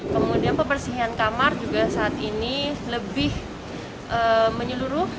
kemudian pembersihan kamar juga saat ini lebih menyeluruh